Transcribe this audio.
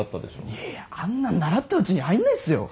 いやいやあんなん習ったうちに入んないっすよ。